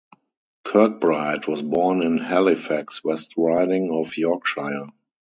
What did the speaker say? Kirkbride was born in Halifax, West Riding of Yorkshire.